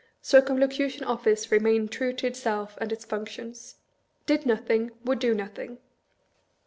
Circum locution Office remained true to itself and its functions. Did nothing ; would do nothing.